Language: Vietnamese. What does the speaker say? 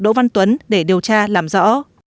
đỗ văn tuấn để điều tra làm rõ